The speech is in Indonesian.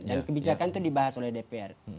dan kebijakan itu dibahas oleh dpr